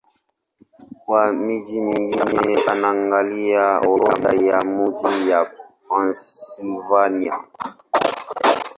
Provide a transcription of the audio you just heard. Kwa miji mingine, angalia Orodha ya miji ya Pennsylvania.